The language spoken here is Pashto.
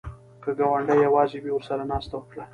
که ګاونډی یواځې وي، ورسره ناسته وکړه